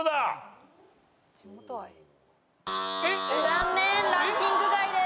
残念ランキング外です。